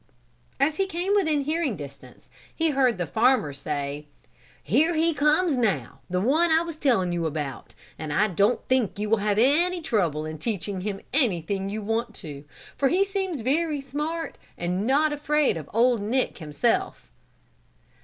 As he came within hearing distance, he heard the farmer say: "Here he comes now, the one I was telling you about and I don't think you will have any trouble in teaching him anything you want to, for he seems very smart and not afraid of 'Old Nick' himself."